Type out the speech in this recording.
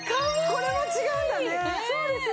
これも違うんだね！